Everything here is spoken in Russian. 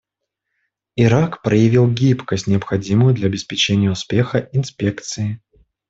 Ирак проявил гибкость, необходимую для обеспечения успеха инспекции.